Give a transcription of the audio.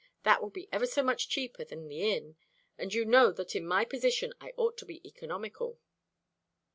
That will be ever so much cheaper than the inn; and you know that in my position I ought to be economical."